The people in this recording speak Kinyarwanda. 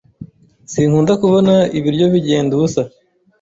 Sinkunda kubona ibiryo bigenda ubusa.